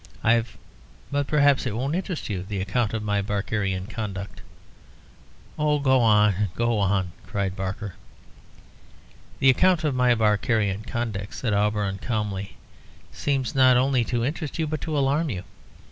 I've ... but perhaps it won't interest you, the account of my Barkerian conduct." "Oh, go on, go on," cried Barker. "The account of my Barkerian conduct," said Auberon, calmly, "seems not only to interest, but to alarm you.